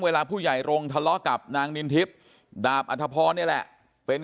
เวลาผู้ใหญ่รงค์ทะเลาะกับนางนินทิพย์ดาบอัธพรนี่แหละเป็น